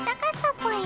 ぽよ！